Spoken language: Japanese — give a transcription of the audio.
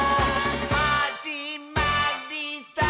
「はじまりさー」